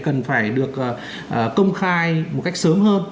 cần phải được công khai một cách sớm hơn